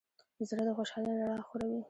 زړه د خوشحالۍ رڼا خوروي.